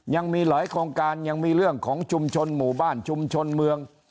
ยังมีหลายโครงการยังมีเรื่องของชุมชนหมู่บ้านชุมชนเมือง